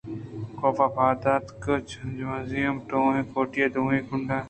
کاف پاد اتک جمنازیم ءِ ٹوہیں کوٹی ءِ دومی کنڈ ءَ فریڈا پہ ابیتکیءُبے گویاکی نشتگ اَت